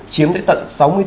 chiếm tới tận sáu mươi bốn năm